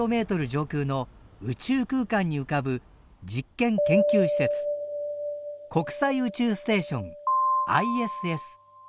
上空の宇宙空間に浮かぶ実験・研究施設国際宇宙ステーションＩＳＳ。